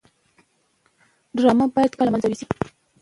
ډرامه باید کرکه له منځه یوسي